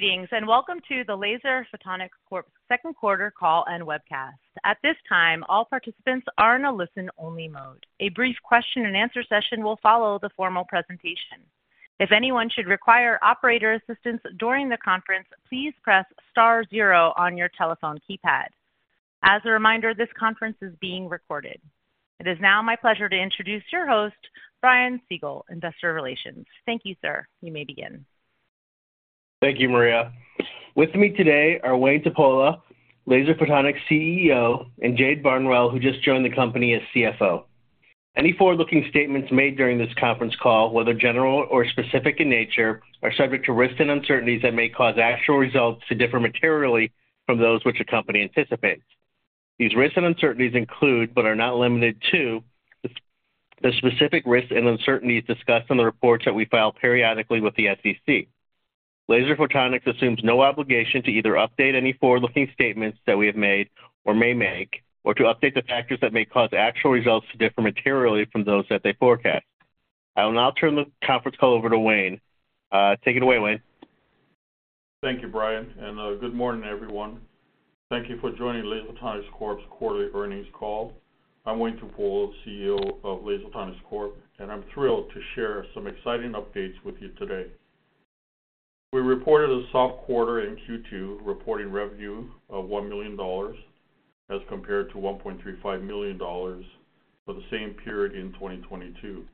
Greetings, and welcome to the Laser Photonics Corporation second quarter call and webcast. At this time, all participants are in a listen-only mode. A brief question and answer session will follow the formal presentation. If anyone should require operator assistance during the conference, please press star zero on your telephone keypad. As a reminder, this conference is being recorded. It is now my pleasure to introduce your host, Brian Siegel, Investor Relations. Thank you, sir. You may begin. Thank you, Maria. With me today are Wayne Tupuola, Laser Photonics CEO, and Jade Barnwell, who just joined the company as CFO. Any forward-looking statements made during this conference call, whether general or specific in nature, are subject to risks and uncertainties that may cause actual results to differ materially from those which the company anticipates. These risks and uncertainties include, but are not limited to, the specific risks and uncertainties discussed in the reports that we file periodically with the SEC. Laser Photonics assumes no obligation to either update any forward-looking statements that we have made or may make, or to update the factors that may cause actual results to differ materially from those that they forecast. I will now turn the conference call over to Wayne. Take it away, Wayne. Thank you, Brian. Good morning, everyone. Thank you for joining Laser Photonics Corporation's quarterly earnings call. I'm Wayne Tupuola, CEO of Laser Photonics Corporation, and I'm thrilled to share some exciting updates with you today. We reported a soft quarter in Q2, reporting revenue of $1 million as compared to $1.35 million for the same period in 2022.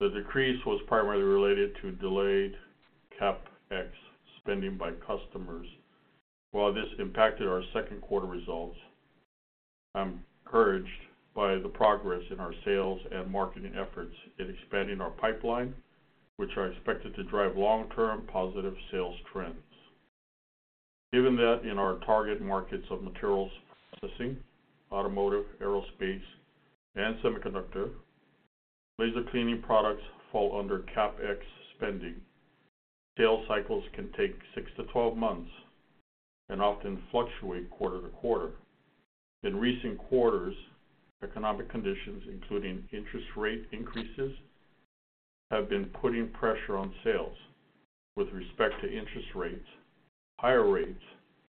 The decrease was primarily related to delayed CapEx spending by customers. While this impacted our second quarter results, I'm encouraged by the progress in our sales and marketing efforts in expanding our pipeline, which are expected to drive long-term positive sales trends. Given that in our target markets of materials processing, automotive, aerospace, and semiconductor, laser cleaning products fall under CapEx spending. Sales cycles can take 6 to 12 months and often fluctuate quarter to quarter. In recent quarters, economic conditions, including interest rate increases, have been putting pressure on sales. With respect to interest rates, higher rates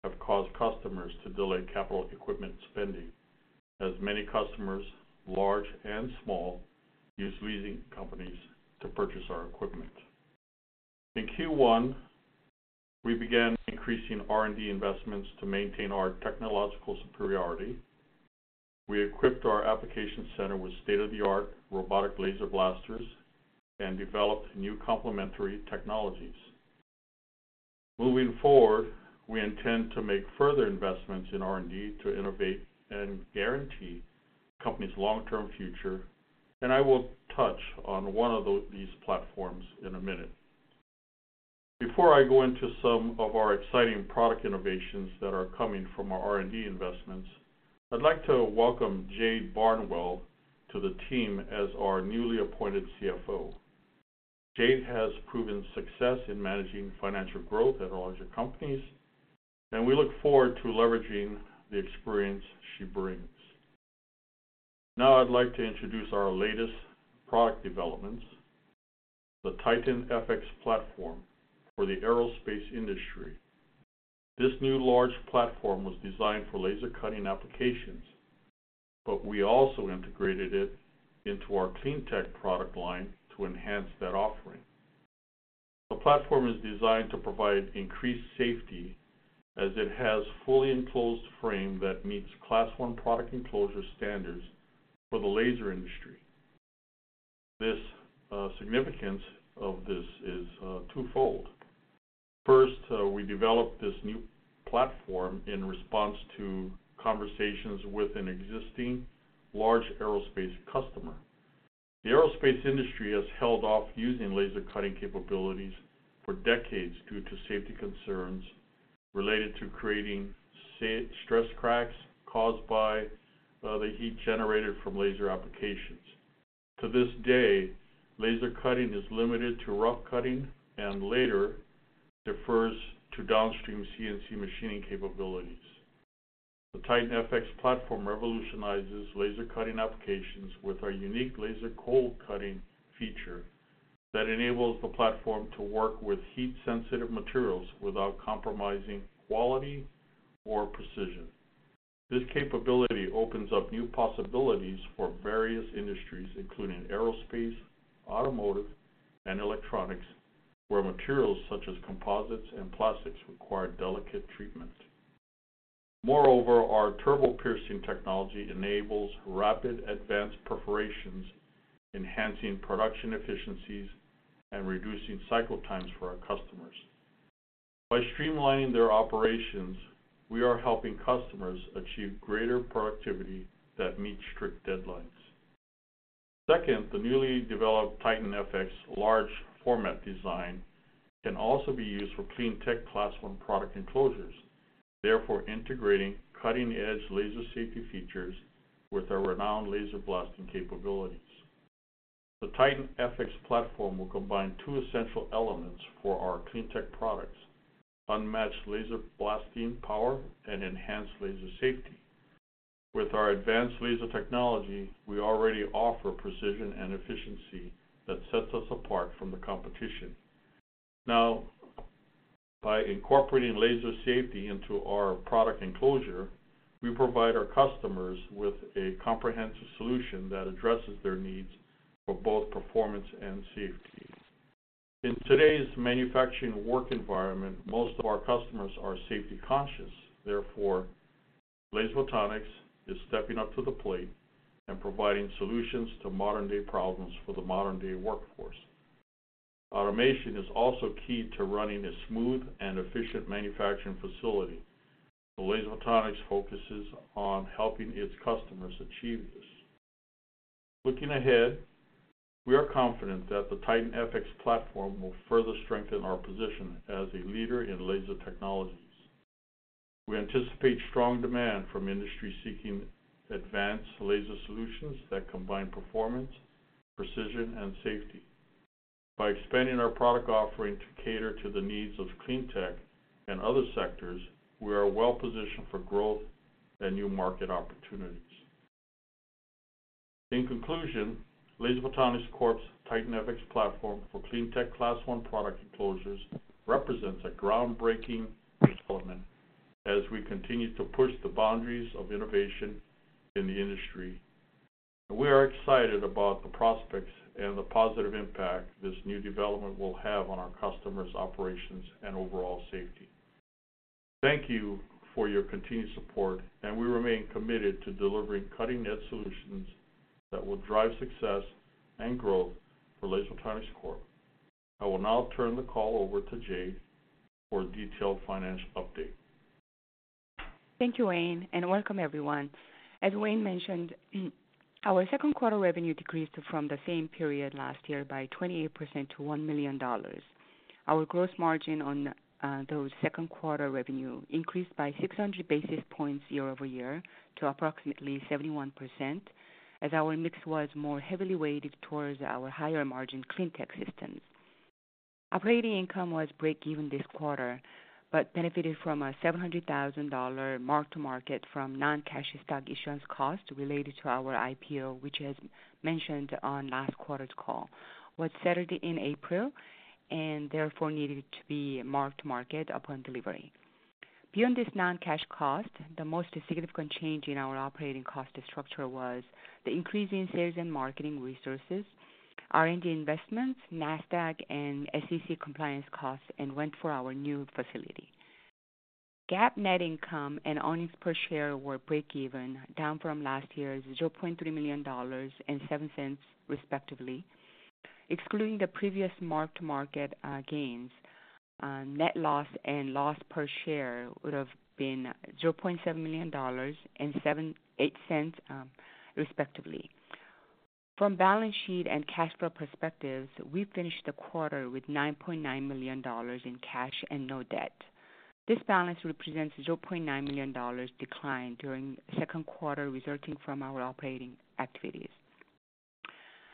have caused customers to delay capital equipment spending, as many customers, large and small, use leasing companies to purchase our equipment. In Q1, we began increasing R&D investments to maintain our technological superiority. We equipped our application center with state-of-the-art robotic laser blasters and developed new complementary technologies. Moving forward, we intend to make further investments in R&D to innovate and guarantee the company's long-term future, and I will touch on one of these platforms in a minute. Before I go into some of our exciting product innovations that are coming from our R&D investments, I'd like to welcome Jade Barnwell to the team as our newly appointed CFO. Jade has proven success in managing financial growth at larger companies, and we look forward to leveraging the experience she brings. Now I'd like to introduce our latest product developments, the Titan FX platform for the aerospace industry. This new large platform was designed for laser cutting applications, but we also integrated it into our CleanTech product line to enhance that offering. The platform is designed to provide increased safety as it has fully enclosed frame that meets Class 1 product enclosure standards for the laser industry. This significance of this is twofold. First, we developed this new platform in response to conversations with an existing large aerospace customer. The aerospace industry has held off using laser cutting capabilities for decades due to safety concerns related to creating stress cracks caused by the heat generated from laser applications. To this day, laser cutting is limited to rough cutting and later defers to downstream CNC machining capabilities. The Titan FX platform revolutionizes laser cutting applications with our unique laser cold cutting feature that enables the platform to work with heat-sensitive materials without compromising quality or precision. This capability opens up new possibilities for various industries, including aerospace, automotive, and electronics, where materials such as composites and plastics require delicate treatments. Moreover, our Turbo Piercing technology enables rapid advanced perforations, enhancing production efficiencies and reducing cycle times for our customers. By streamlining their operations, we are helping customers achieve greater productivity that meets strict deadlines. Second, the newly developed Titan FX large format design can also be used for CleanTech Class 1 product enclosures, therefore integrating cutting-edge laser safety features with our renowned laser blasting capabilities. The Titan FX platform will combine two essential elements for our CleanTech products: unmatched laser blasting power and enhanced laser safety. With our advanced laser technology, we already offer precision and efficiency that sets us apart from the competition. Now, by incorporating laser safety into our product enclosure, we provide our customers with a comprehensive solution that addresses their needs for both performance and safety. In today's manufacturing work environment, most of our customers are safety conscious. Therefore, Laser Photonics is stepping up to the plate and providing solutions to modern-day problems for the modern-day workforce. Automation is also key to running a smooth and efficient manufacturing facility. Laser Photonics focuses on helping its customers achieve this. Looking ahead, we are confident that the Titan FX platform will further strengthen our position as a leader in laser technologies. We anticipate strong demand from industries seeking advanced laser solutions that combine performance, precision, and safety. By expanding our product offering to cater to the needs of CleanTech and other sectors, we are well positioned for growth and new market opportunities. In conclusion, Laser Photonics Corporation's Titan FX platform for CleanTech Class 1 product enclosures represents a groundbreaking development as we continue to push the boundaries of innovation in the industry. We are excited about the prospects and the positive impact this new development will have on our customers' operations and overall safety. Thank you for your continued support, and we remain committed to delivering cutting-edge solutions that will drive success and growth for Laser Photonics Corporation. I will now turn the call over to Jade for a detailed financial update. Thank you, Wayne, and welcome, everyone. As Wayne mentioned, our second quarter revenue decreased from the same period last year by 28% to $1 million. Our gross margin on those second quarter revenue increased by 600 basis points year-over-year to approximately 71%, as our mix was more heavily weighted towards our higher-margin CleanTech systems. Operating income was break-even this quarter, but benefited from a $700,000 mark-to-market from non-cash stock issuance costs related to our IPO, which as mentioned on last quarter's call, was settled in April and therefore needed to be mark-to-market upon delivery. Beyond this non-cash cost, the most significant change in our operating cost structure was the increase in sales and marketing resources, R&D investments, Nasdaq and SEC compliance costs, and rent for our new facility. GAAP net income and earnings per share were break-even, down from last year's $0.3 million and $0.07, respectively. Excluding the previous mark-to-market gains, net loss and loss per share would have been $0.7 million and $0.08, respectively. From balance sheet and cash flow perspectives, we finished the quarter with $9.9 million in cash and no debt. This balance represents $0.9 million decline during the second quarter, resulting from our operating activities.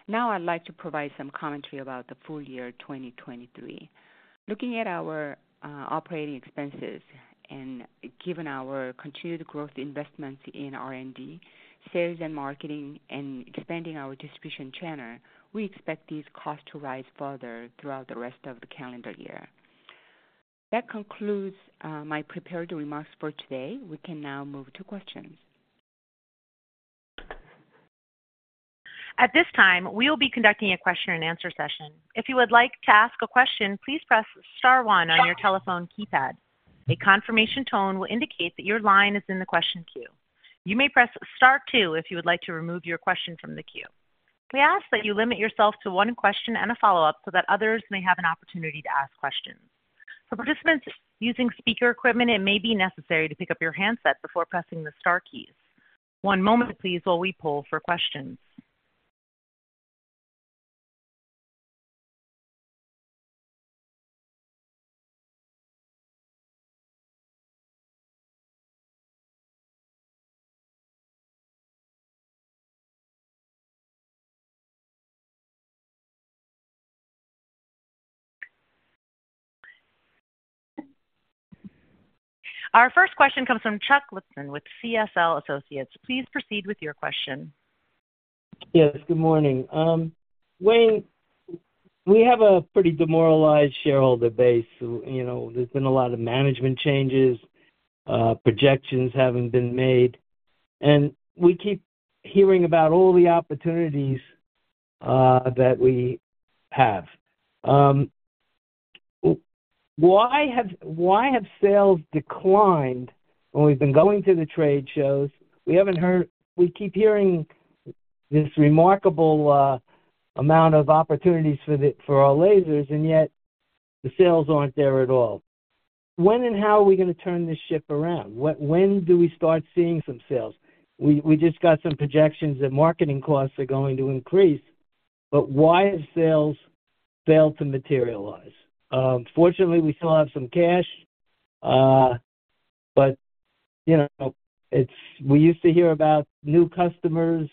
Now, I'd like to provide some commentary about the full year, 2023. Looking at our operating expenses and given our continued growth investments in R&D, sales and marketing and expanding our distribution channel, we expect these costs to rise further throughout the rest of the calendar year. That concludes my prepared remarks for today. We can now move to questions. At this time, we will be conducting a question and answer session. If you would like to ask a question, please press Star one on your telephone keypad. A confirmation tone will indicate that your line is in the question queue. You may press Star two if you would like to remove your question from the queue. We ask that you limit yourself to one question and a follow-up so that others may have an opportunity to ask questions. For participants using speaker equipment, it may be necessary to pick up your handset before pressing the star keys. One moment please, while we poll for questions. Our first question comes from Chuck Lipson with CSL Associates. Please proceed with your question. Yes, good morning. Wayne, we have a pretty demoralized shareholder base. You know, there's been a lot of management changes, projections haven't been made, and we keep hearing about all the opportunities that we have. Why have sales declined when we've been going to the trade shows? We haven't heard... We keep hearing this remarkable amount of opportunities for the, for our lasers, and yet the sales aren't there at all. When and how are we going to turn this ship around? When do we start seeing some sales? We, we just got some projections that marketing costs are going to increase, but why have sales failed to materialize? Fortunately, we still have some cash, but, you know, it's, we used to hear about new customers,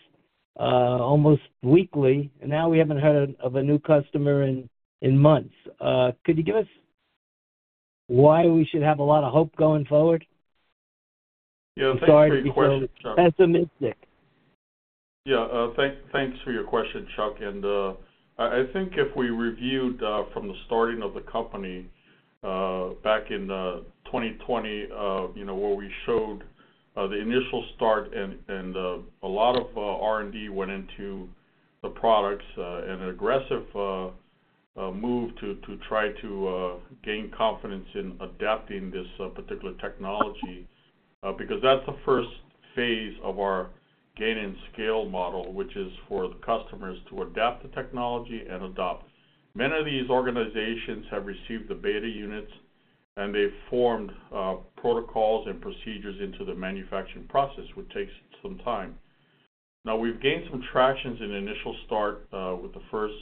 almost weekly, and now we haven't heard of a new customer in, in months. Could you give us why we should have a lot of hope going forward? Yeah, thank you for your question, Chuck. Sorry to be so pessimistic. Yeah, thanks for your question, Chuck. I think if we reviewed from the starting of the company back in 2020, you know, where we showed the initial start and a lot of R&D went into the products and aggressive move to try to gain confidence in adapting this particular technology, because that's the first phase of our gain and scale model, which is for the customers to adapt the technology and adopt. Many of these organizations have received the beta units, and they've formed protocols and procedures into the manufacturing process, which takes some time. Now, we've gained some tractions in initial start, with the first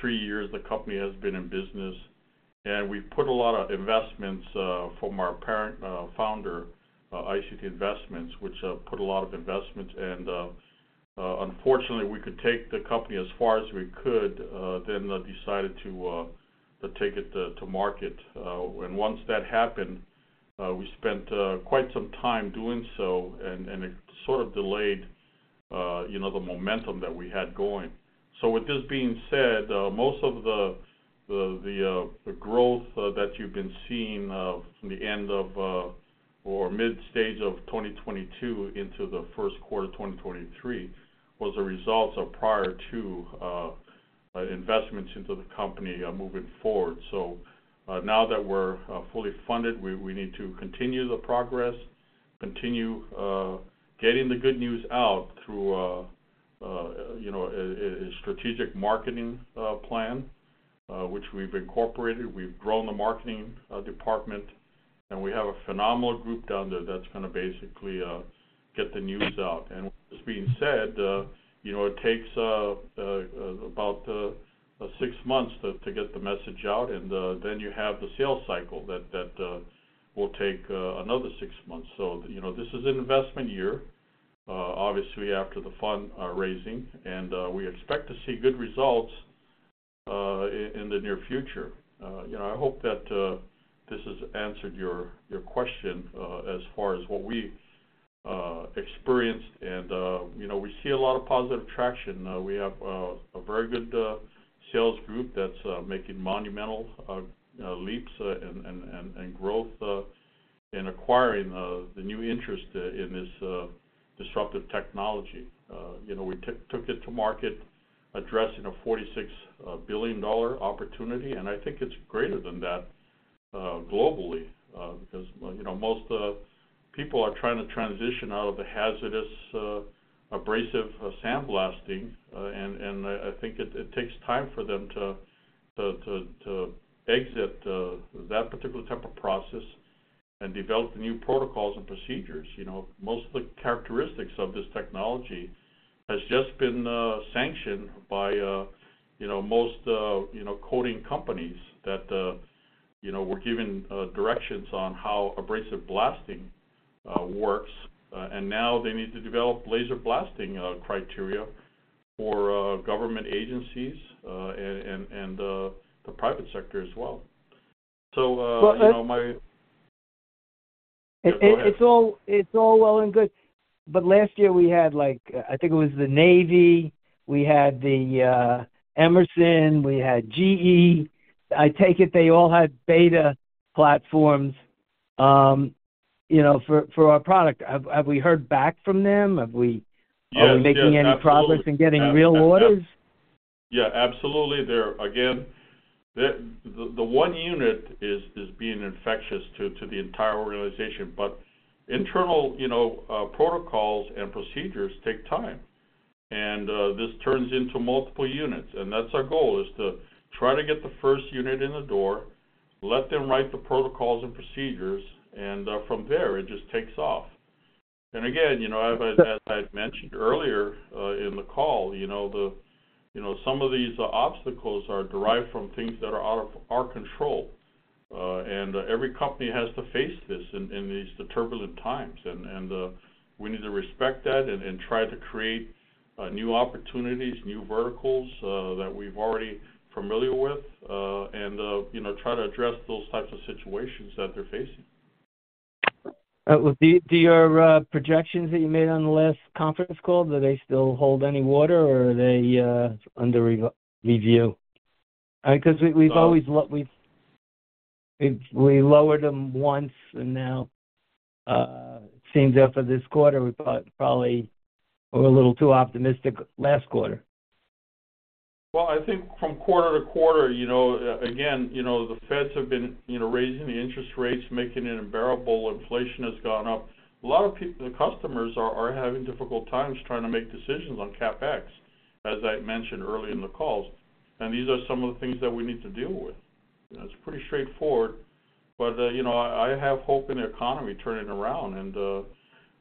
three years the company has been in business. We've put a lot of investments, from our parent, founder, ICT Investments, which put a lot of investments. Unfortunately, we could take the company as far as we could, then decided to, to take it to, to market. Once that happened, we spent quite some time doing so, and, and it sort of delayed, you know, the momentum that we had going. With this being said, most of the, the, the, the growth, that you've been seeing, from the end of, or mid stage of 2022 into the first quarter of 2023, was a result of prior to, investments into the company, moving forward. Now that we're fully funded, we, we need to continue the progress, continue getting the good news out through, you know, a strategic marketing plan, which we've incorporated. We've grown the marketing department, and we have a phenomenal group down there that's gonna basically get the news out. With this being said, you know, it takes about six months to get the message out, and then you have the sales cycle that will take another six months. You know, this is an investment year, obviously after the fund raising, and we expect to see good results in the near future. You know, I hope that this has answered your, your question as far as what we experienced, and, you know, we see a lot of positive traction. We have a very good sales group that's making monumental leaps and growth in acquiring the new interest in this disruptive technology. You know, we took it to market, addressing a $46 billion opportunity, and I think it's greater than that globally. You know, most people are trying to transition out of the hazardous abrasive sandblasting, and I think it takes time for them to exit that particular type of process and develop new protocols and procedures. You know, most of the characteristics of this technology has just been, sanctioned by, you know, most, you know, coating companies that, you know, were given, directions on how abrasive blasting, works, and now they need to develop laser blasting, criteria for, government agencies, and, and, and the, the private sector as well. So. Well. You know, my... Yeah, go ahead. It's all well and good, but last year we had, like, I think it was the Navy, we had the, Emerson, we had GE. I take it they all had beta platforms, you know, for, for our product. Have we heard back from them? Have we? Yes, yeah, absolutely. Are we making any progress in getting real orders? Yeah, absolutely. There again, the, the, the one unit is, is being infectious to, to the entire organization, but internal, you know, protocols and procedures take time, and this turns into multiple units, and that's our goal, is to try to get the first unit in the door, let them write the protocols and procedures, and from there, it just takes off. Again, you know, as I, as I'd mentioned earlier, in the call, you know, the, you know, some of these obstacles are derived from things that are out of our control, and every company has to face this in, in these turbulent times. We need to respect that and, and try to create, new opportunities, new verticals, that we're already familiar with, and, you know, try to address those types of situations that they're facing. Well, do, do your projections that you made on the last conference call, do they still hold any water or are they under re-review? Cause we've always lowered them once, and now, it seems after this quarter, we got probably were a little too optimistic last quarter. Well, I think from quarter to quarter, you know, again, you know, the Feds have been, you know, raising the interest rates, making it unbearable. Inflation has gone up. A lot of people, the customers are, are having difficult times trying to make decisions on CapEx, as I mentioned earlier in the calls, and these are some of the things that we need to deal with. You know, it's pretty straightforward, but, you know, I, I have hope in the economy turning around, and,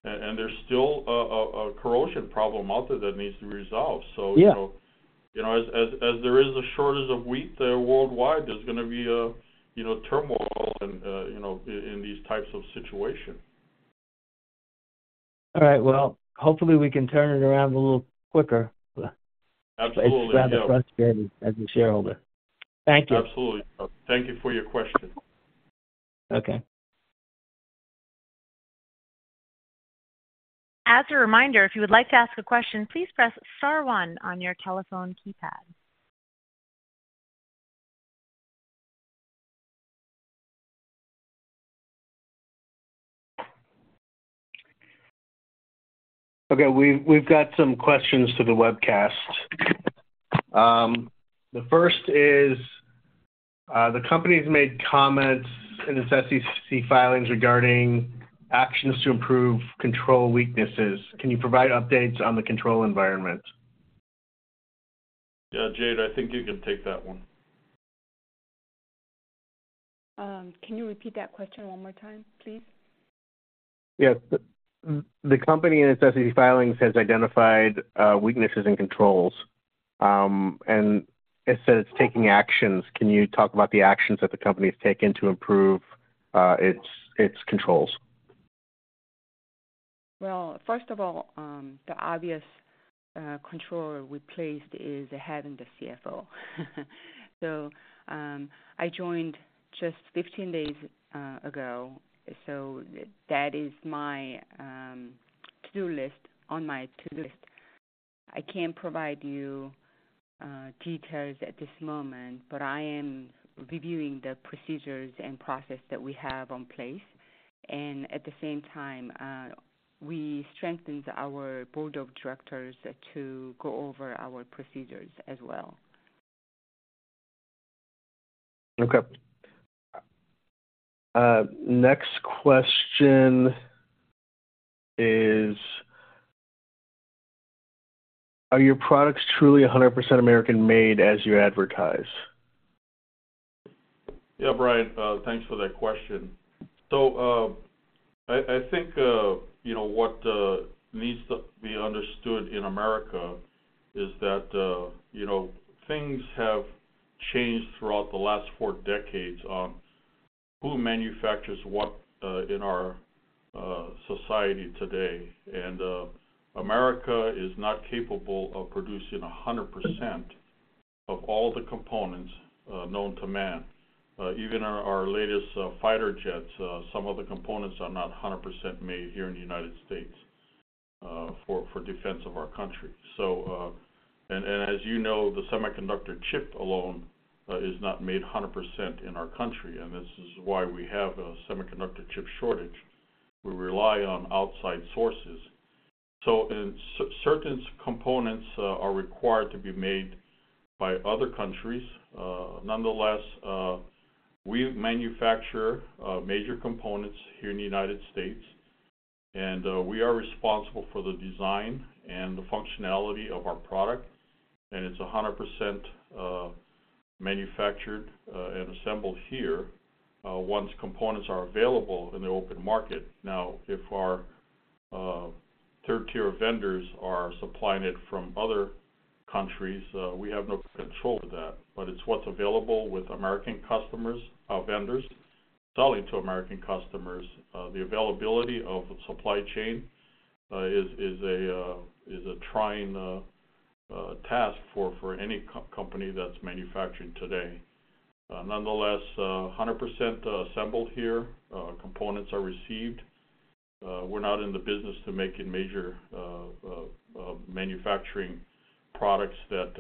and there's still a, a, a corrosion problem out there that needs to be resolved. Yeah... you know, you know, as there is a shortage of wheat there worldwide, there's gonna be a, you know, turmoil and, you know, in these types of situation. All right, well, hopefully we can turn it around a little quicker. Absolutely, yeah. It's rather frustrating as a shareholder. Thank you. Absolutely. Thank you for your question. Okay. As a reminder, if you would like to ask a question, please press star one on your telephone keypad. Okay, we've, we've got some questions to the webcast. The first is, the company's made comments in its SEC filings regarding actions to improve control weaknesses. Can you provide updates on the control environment? Yeah, Jade, I think you can take that one. Can you repeat that question one more time, please? Yes. The company in its SEC filings has identified weaknesses in controls, and it says it's taking actions. Can you talk about the actions that the company has taken to improve its controls? Well, first of all, the obvious control we placed is having the CFO. I joined just 15 days ago, so that is my to-do list, on my to-do list. I can't provide you details at this moment, but I am reviewing the procedures and process that we have in place, and at the same time, we strengthened our board of directors to go over our procedures as well. Okay. Next question is, are your products truly 100% American-made as you advertise? Yeah, Brian, thanks for that question. I, I think, you know, what needs to be understood in America is that, you know, things have changed throughout the last four decades on who manufactures what in our society today. America is not capable of producing 100% of all the components known to man. Even our, our latest fighter jets, some of the components are not 100% made here in the United States, for, for defense of our country. As you know, the semiconductor chip alone is not made 100% in our country, and this is why we have a semiconductor chip shortage. We rely on outside sources. Certain components are required to be made by other countries. Nonetheless, we manufacture major components here in the United States, and we are responsible for the design and the functionality of our product, and it's 100% manufactured and assembled here once components are available in the open market. Now, if our third-tier vendors are supplying it from other countries, we have no control of that, but it's what's available with American customers, vendors selling to American customers. The availability of the supply chain is a trying task for any co-company that's manufacturing today. Nonetheless, 100% assembled here, components are received. We're not in the business to making major manufacturing products that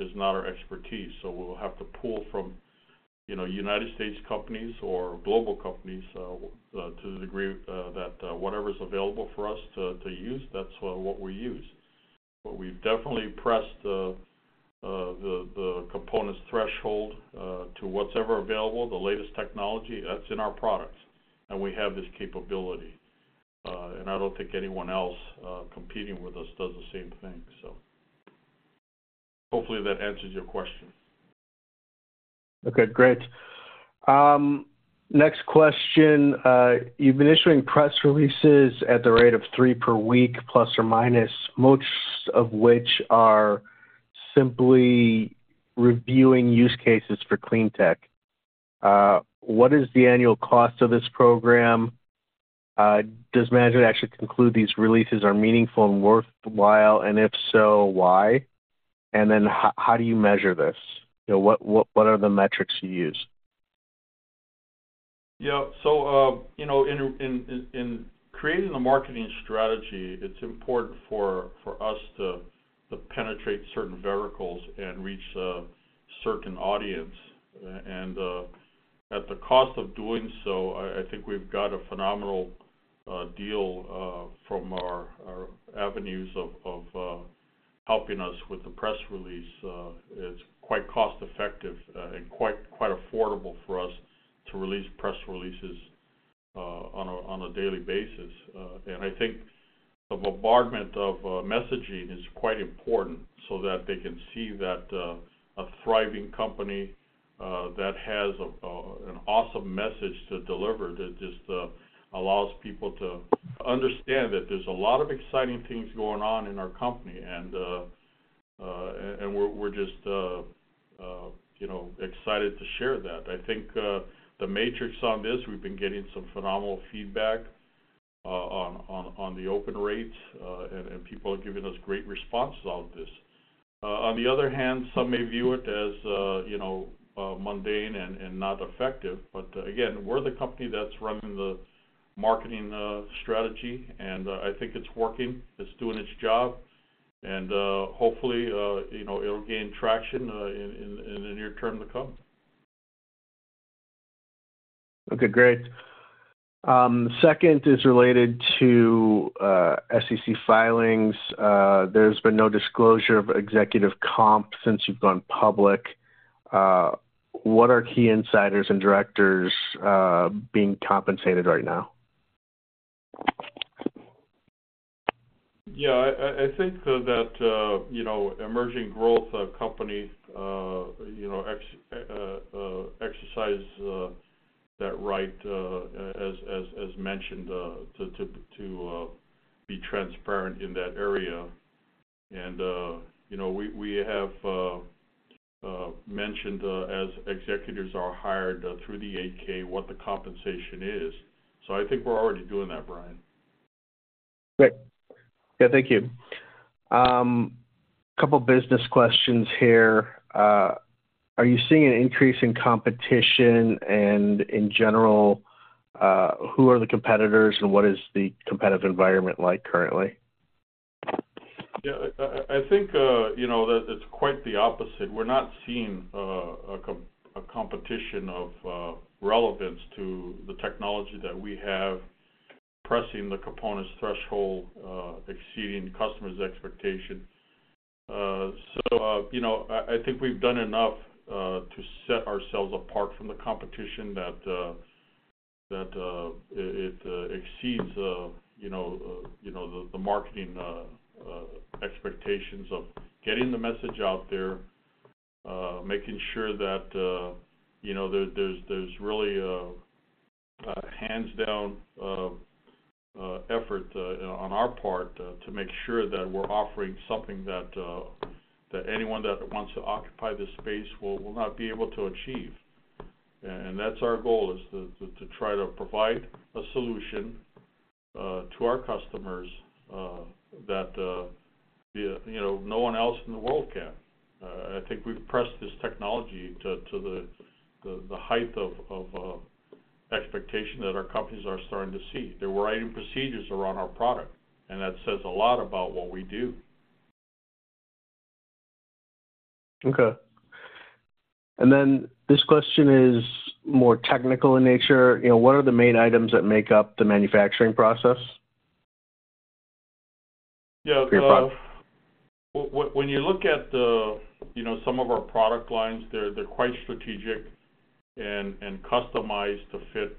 is not our expertise, so we'll have to pull from, you know, United States companies or global companies to the degree that whatever is available for us to, to use, that's what we use. We've definitely pressed the the components threshold to what's ever available, the latest technology that's in our products, and we have this capability. I don't think anyone else competing with us does the same thing. Hopefully that answers your question? Okay, great. Next question. You've been issuing press releases at the rate of three per week, plus or minus, most of which are simply reviewing use cases for CleanTech. What is the annual cost of this program? Does management actually conclude these releases are meaningful and worthwhile? If so, why? Then how, how do you measure this? You know, what, what, what are the metrics you use? Yeah. So, you know, in creating a marketing strategy, it's important for us to penetrate certain verticals and reach a certain audience. At the cost of doing so, I think we've got a phenomenal deal from our avenues of helping us with the press release. It's quite cost-effective and quite affordable for us to release press releases on a daily basis. I think the bombardment of messaging is quite important so that they can see that a thriving company that has an awesome message to deliver, that just allows people to understand that there's a lot of exciting things going on in our company. We're just, you know, excited to share that. I think, the matrix on this, we've been getting some phenomenal feedback, on, on, on the open rates, and, and people are giving us great responses on this. On the other hand, some may view it as, you know, mundane and, and not effective. Again, we're the company that's running the marketing, strategy, and, I think it's working. It's doing its job, and, hopefully, you know, it'll gain traction, in, in, in the near term to come. Okay, great. Second is related to SEC filings. There's been no disclosure of executive comp since you've gone public. What are key insiders and directors being compensated right now? Yeah, I, I, I think that, you know, emerging growth company, you know, exercise that right, as, as, as mentioned, to, to, to, be transparent in that area. You know, we, we have mentioned, as executives are hired, through the 8-K, what the compensation is, so I think we're already doing that, Brian. Great. Yeah, thank you. couple business questions here. Are you seeing an increase in competition? In general, who are the competitors, and what is the competitive environment like currently? Yeah, I, I, I think, you know, that it's quite the opposite. We're not seeing a competition of relevance to the technology that we have, pressing the components threshold, exceeding the customer's expectation. you know, I, I think we've done enough to set ourselves apart from the competition that, that, it, it, exceeds, you know, you know, the, the marketing expectations of getting the message out there, making sure that, you know, there, there's, there's really a hands-down effort on our part to make sure that we're offering something that, that anyone that wants to occupy this space will, will not be able to achieve. That's our goal, is to, to, to try to provide a solution to our customers that, you know, no one else in the world can. I think we've pressed this technology to, to the, the, the height of, of expectation that our companies are starting to see. They're writing procedures around our product, and that says a lot about what we do. Okay. Then this question is more technical in nature. You know, what are the main items that make up the manufacturing process? Yeah. For your product. When you look at the, you know, some of our product lines, they're, they're quite strategic and customized to fit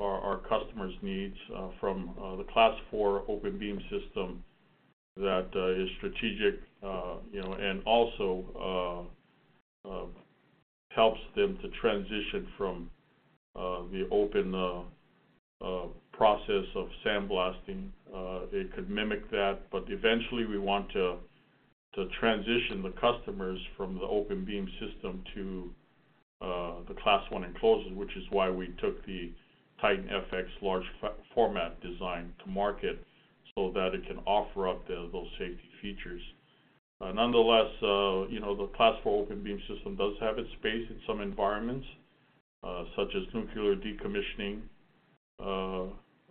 our customers' needs from the Class 4 open beam system that is strategic, you know, and also helps them to transition from the open process of sandblasting. It could mimic that, but eventually, we want to transition the customers from the open beam system to the Class 1 enclosures, which is why we took the Titan FX large format design to market, so that it can offer up the, those safety features. Nonetheless, you know, the Class 4 open beam system does have its space in some environments, such as nuclear decommissioning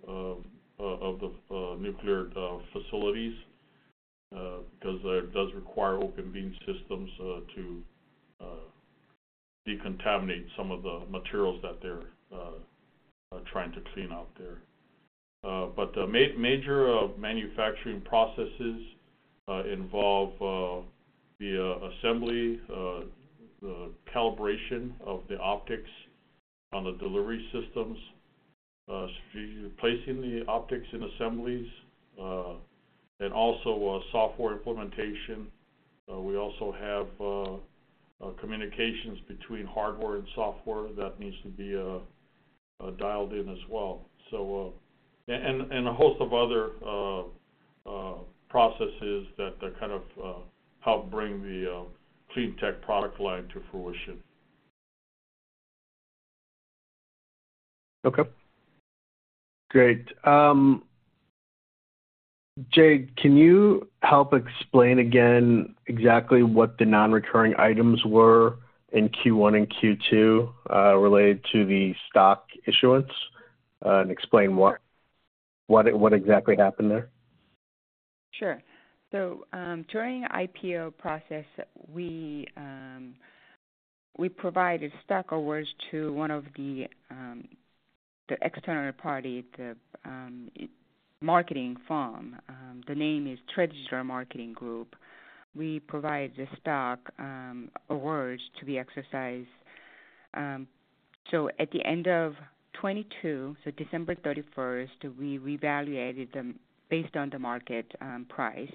of nuclear facilities, because it does require open beam systems to decontaminate some of the materials that they're trying to clean out there. But the major manufacturing processes involve the assembly, the calibration of the optics on the delivery systems, placing the optics in assemblies, and also software implementation. We also have communications between hardware and software that needs to be dialed in as well. And a host of other processes that kind of help bring the CleanTech product line to fruition. Okay, great. Jade, can you help explain again exactly what the non-recurring items were in Q1 and Q2, related to the stock issuance, and explain what exactly happened there? Sure. During IPO process, we, we provided stock awards to one of the external party, the marketing firm. The name is TraDigital Marketing Group. We provide the stock awards to be exercised. At the end of 2022, so December 31st, we reevaluated them based on the market price.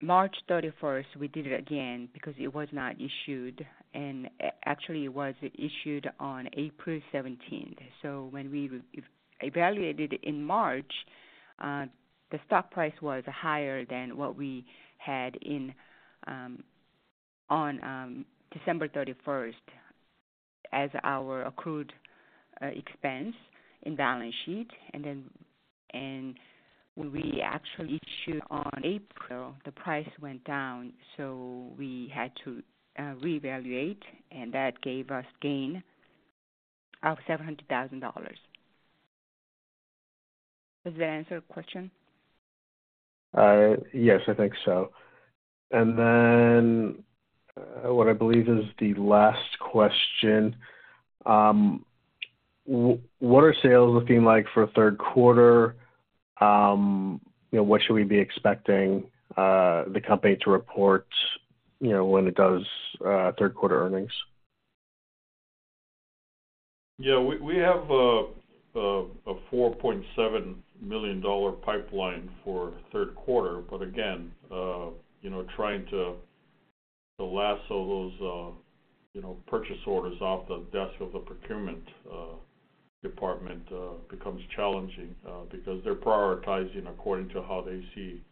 March 31st, we did it again because it was not issued, and actually it was issued on April 17th. When we reevaluated in March, the stock price was higher than what we had in, on, December 31st, as our accrued expense in balance sheet. When we actually issued on April, the price went down, so we had to reevaluate, and that gave us gain of $700,000. Does that answer your question? Yes, I think so. Then, what I believe is the last question. What are sales looking like for third quarter? You know, what should we be expecting, the company to report, you know, when it does, third quarter earnings? Yeah, we have a $4.7 million pipeline for third quarter. Again, you know, trying to lasso those, you know, purchase orders off the desk of the procurement department becomes challenging because they're prioritizing according to how they see,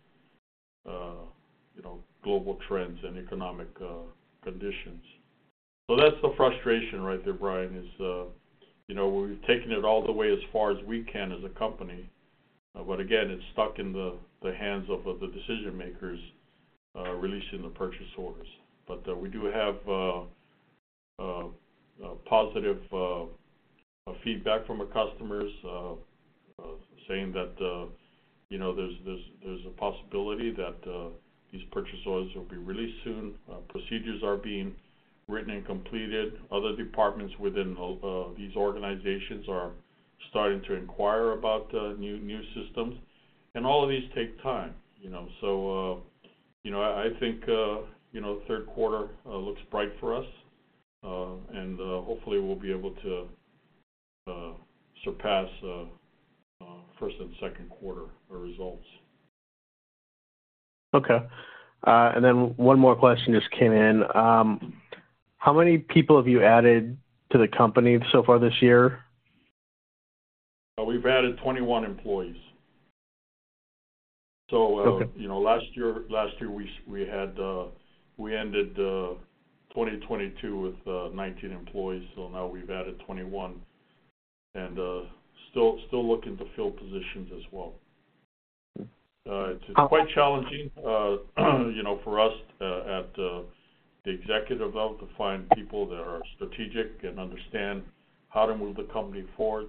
you know, global trends and economic conditions. That's the frustration right there, Brian, is, you know, we've taken it all the way as far as we can as a company, but again, it's stuck in the hands of the decision makers releasing the purchase orders. We do have a positive feedback from our customers saying that, you know, there's, there's, there's a possibility that these purchase orders will be released soon. Procedures are being written and completed. Other departments within these organizations are starting to inquire about new, new systems. All of these take time, you know? You know, I, I think, you know, third quarter looks bright for us. Hopefully we'll be able to surpass first and second quarter results. Okay. One more question just came in. How many people have you added to the company so far this year? We've added 21 employees. Okay. You know, last year, last year we had, we ended 2022 with 19 employees, so now we've added 21 and still, still looking to fill positions as well. Okay. It's quite challenging, you know, for us, at the executive level, to find people that are strategic and understand how to move the company forward.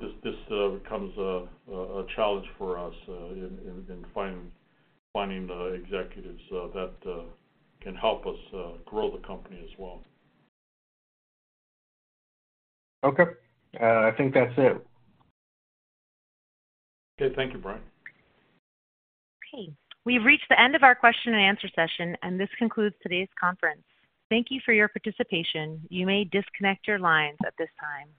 This, this, becomes a, a, a challenge for us, in, in, in finding, finding the executives, that can help us, grow the company as well. Okay. I think that's it. Okay. Thank you, Brian. Okay. We've reached the end of our question and answer session. This concludes today's conference. Thank you for your participation. You may disconnect your lines at this time.